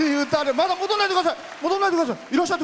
まだ戻らないでください！